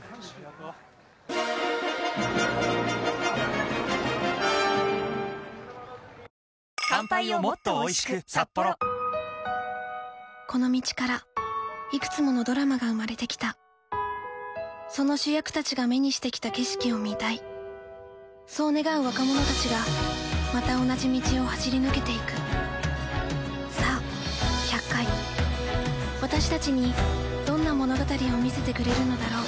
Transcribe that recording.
その中央も箱根本選では駒澤と復活してきましたからこの道からいくつものドラマが生まれてきたその主役たちが目にしてきた景色をみたいそう願う若者たちがまた同じ道を走り抜けていくさぁ１００回私たちにどんな物語を見せてくれるのだろう